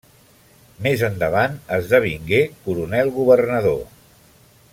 Més endavant esdevingué coronel governador.